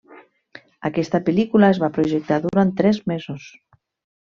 Aquesta pel·lícula es va projectar durant tres mesos.